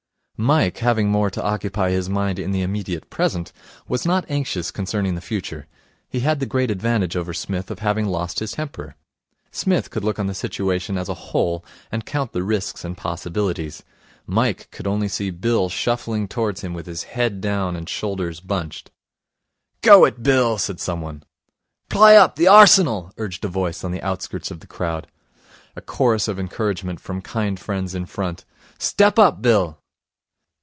Mike, having more to occupy his mind in the immediate present, was not anxious concerning the future. He had the great advantage over Psmith of having lost his temper. Psmith could look on the situation as a whole, and count the risks and possibilities. Mike could only see Bill shuffling towards him with his head down and shoulders bunched. 'Gow it, Bill!' said someone. 'Pliy up, the Arsenal!' urged a voice on the outskirts of the crowd. A chorus of encouragement from kind friends in front: 'Step up, Bill!'